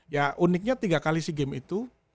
ya uniknya tiga kali sea games itu